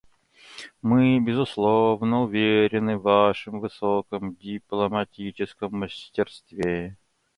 Мы, безусловно, уверены в Вашем высоком дипломатическом мастерстве.